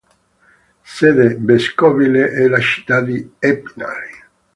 Sede vescovile è la città di Épinal.